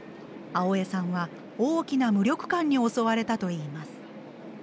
青江さんは大きな無力感に襲われたといいます。